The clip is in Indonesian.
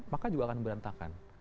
maka juga akan berantakan